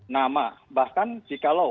nama bahkan jikalau